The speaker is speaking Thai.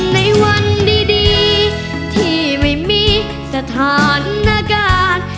ในวันดีที่ไม่มีสถานการณ์